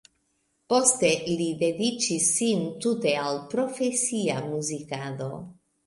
Poste li dediĉis sin tute al profesia muzikado.